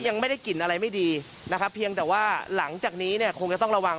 ยังไม่ได้กลิ่นอะไรไม่ดีนะครับเพียงแต่ว่าหลังจากนี้เนี่ยคงจะต้องระวัง